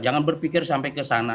jangan berpikir sampai kesana